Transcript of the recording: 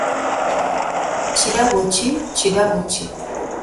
Kirabo ki, kirabo ki ?